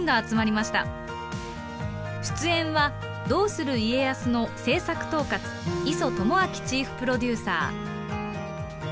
出演は「どうする家康」の制作統括磯智明チーフプロデューサー。